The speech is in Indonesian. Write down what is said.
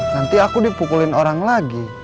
nanti aku dipukulin orang lagi